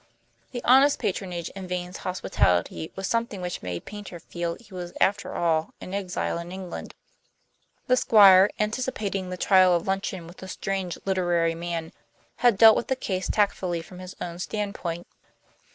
The honest patronage in Vane's hospitality was something which made Paynter feel he was, after all, an exile in England. The Squire, anticipating the trial of luncheon with a strange literary man, had dealt with the case tactfully from his own standpoint.